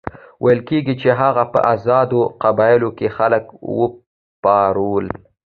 ویل کېږي چې هغه په آزادو قبایلو کې خلک وپارول.